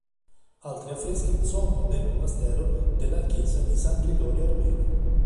Altri affreschi sono nel Monastero della Chiesa di San Gregorio Armeno.